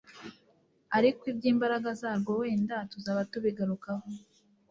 ariko iby'imbaraga zarwo wenda tuzaba tubigarukaho.